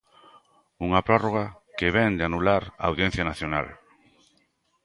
Unha prórroga que vén de anular a Audiencia Nacional.